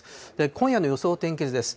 今夜の予想天気図です。